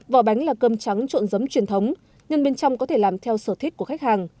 vỏ bánh là cơm trắng trộn dấm truyền thống nhân bên trong có thể làm theo sở thích của khách hàng